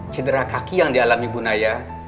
cedera kaki yang dialami bu naya